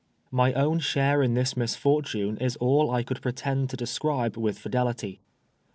My own share in this misfortune is all I could pretend to describe with fidelity.